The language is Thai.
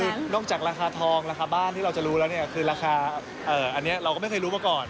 คือนอกจากราคาทองราคาบ้านที่เราจะรู้แล้วเนี่ยคือราคาอันนี้เราก็ไม่เคยรู้มาก่อน